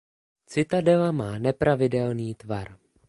Citadela má nepravidelný tvar.